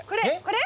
これ？